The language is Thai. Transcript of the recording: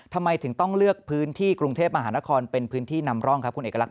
ทำไมถึงต้องเลือกพื้นที่กรุงเทพมหานครเป็นพื้นที่นำร่องครับคุณเอกลักษ